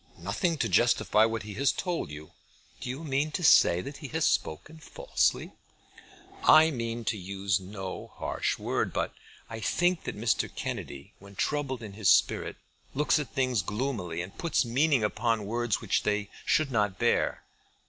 "Nothing to justify what he has told you." "Do you mean to say that he has spoken falsely?" "I mean to use no harsh word, but I think that Mr. Kennedy when troubled in his spirit looks at things gloomily, and puts meaning upon words which they should not bear."